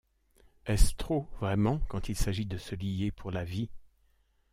Est-ce trop, vraiment, quand il s’agit de se lier pour la vie ?